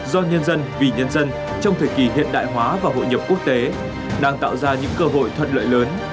do nhân dân vì nhân dân trong thời kỳ hiện đại hóa và hội nhập quốc tế đang tạo ra những cơ hội thuận lợi lớn